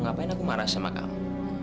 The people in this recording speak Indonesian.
ngapain aku marah sama kamu